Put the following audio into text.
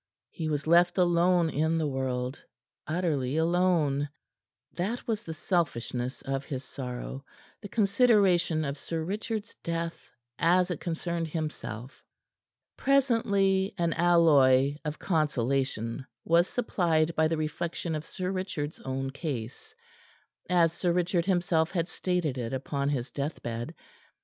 He was left alone in the world; utterly alone. That was the selfishness of his sorrow the consideration of Sir Richard's death as it concerned himself. Presently an alloy of consolation was supplied by the reflection of Sir Richard's own case as Sir Richard himself had stated it upon his deathbed.